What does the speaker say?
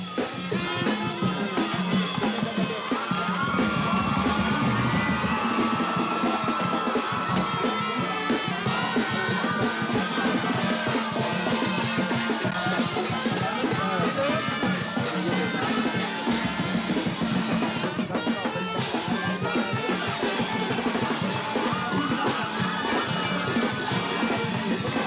นะครับ